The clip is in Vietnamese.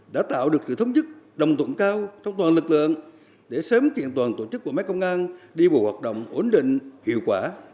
đã tạo được sự thống nhất đồng tụng cao trong toàn lực lượng để sớm kiện toàn tổ chức của máy công an đi bộ hoạt động ổn định hiệu quả